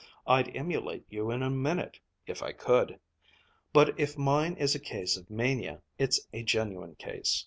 I'd emulate you in a minute if I could; but if mine is a case of mania, it's a genuine case.